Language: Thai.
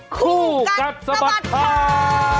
คู่กัดสะบัดข่าว